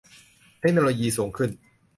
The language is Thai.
เทคโนโลยีสูงขึ้น